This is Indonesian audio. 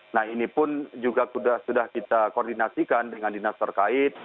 nah ini pun juga sudah kita koordinasikan dengan dinas terkait